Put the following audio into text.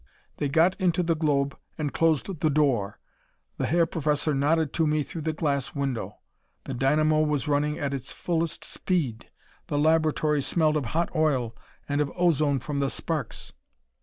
They got into the globe and closed the door. The Herr Professor nodded to me through the glass window. The dynamo was running at its fullest speed. The laboratory smelled of hot oil, and of ozone from the sparks.